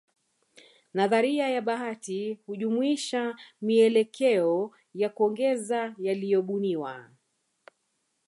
Nadharia ya bahati hujumuishwa mielekeo ya kuongeza yaliyobuniwa